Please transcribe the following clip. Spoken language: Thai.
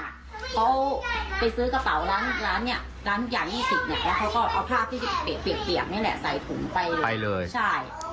แล้วเขาก็เอาผ้าที่เปรียบนี่แหละใส่ถุงไปเลย